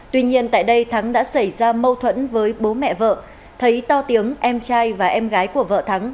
tuy nhiên tại đây thắng đã xảy ra mâu thuẫn với bố mẹ vợ thấy to tiếng em trai và em gái của vợ thắng